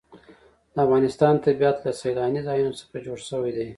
د افغانستان طبیعت له سیلانی ځایونه څخه جوړ شوی دی.